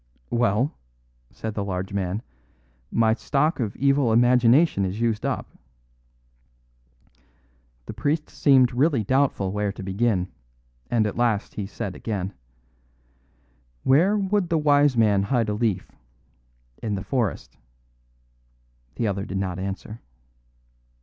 "Well," said the large man, "my stock of evil imagination is used up." The priest seemed really doubtful where to begin, and at last he said again: "Where would a wise man hide a leaf? In the forest." The other did not answer.